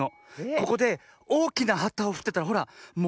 ここでおおきなはたをふってたらほらもろ